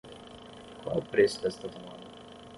Qual é o preço desta tomada?